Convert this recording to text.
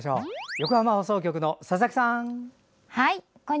横浜放送局の佐々木さん。